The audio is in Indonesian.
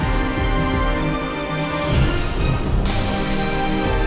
baik kita akan berjalan